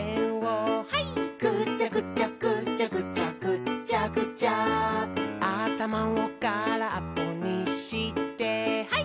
「ぐちゃぐちゃぐちゃぐちゃぐっちゃぐちゃ」「あたまをからっぽにしてハイ！」